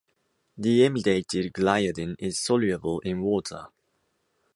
Deamidated gliadin is soluble in water.